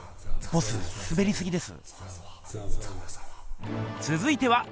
ボススベりすぎです。